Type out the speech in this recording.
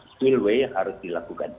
still way harus dilakukan